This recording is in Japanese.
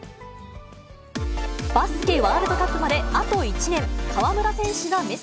バスケワールドカップまであと１年。